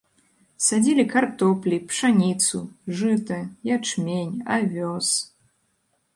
Садзілі картоплі, пшаніцу, жыта, ячмень, авёс.